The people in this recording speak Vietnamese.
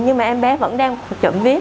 nhưng mà em bé vẫn đang trộm ví